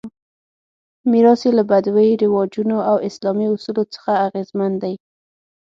میراث یې له بدوي رواجونو او اسلامي اصولو څخه اغېزمن دی.